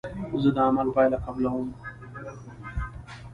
زه د عمل پایله قبلوم.